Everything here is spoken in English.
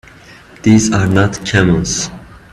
These are not camels!